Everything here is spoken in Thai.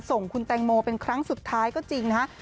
ส่งคุณแตงโมเป็นครั้งสุดท้ายก็จริงนะฮะ